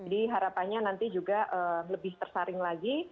jadi harapannya nanti juga lebih tersaring lagi